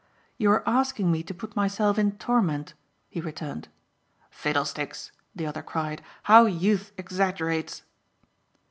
"You are asking me to put myself in torment," he returned. "Fiddlesticks!" the other cried, "How youth exaggerates."